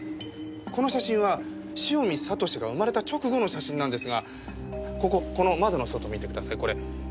この写真は汐見悟志が生まれた直後の写真なんですがこここの窓の外見てくださいこれ。